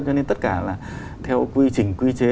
cho nên tất cả là theo quy trình quy chế